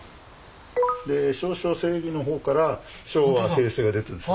で『尚書正義』の方から「昭和」「平成」が出てるんです。